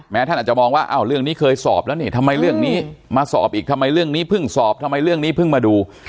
ท่านอาจจะมองว่าอ้าวเรื่องนี้เคยสอบแล้วนี่ทำไมเรื่องนี้มาสอบอีกทำไมเรื่องนี้เพิ่งสอบทำไมเรื่องนี้เพิ่งมาดู